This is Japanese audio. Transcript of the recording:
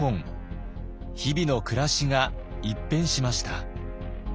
日々の暮らしが一変しました。